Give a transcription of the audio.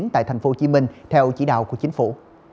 tại thành phố hồ chí minh theo chỉ đạo của chính phủ